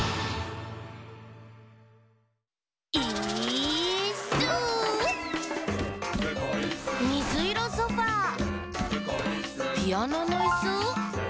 「イーッス」「みずいろソファー」「ピアノのいす？」